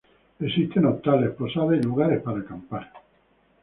Existen hostales, posadas y lugares para acampar.